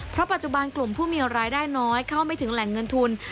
เพราะปัจจุบันกลุ่มผู้มีรายได้น้อยเข้าไม่ถึงแหล่งเงินทุน